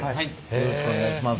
よろしくお願いします。